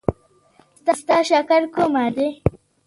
نو ستا شکر کومه دی؟